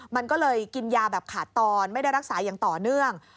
มันก็เลยกินยาแบบขาดตอนไม่ได้รักษาอย่างต่อเนื่อง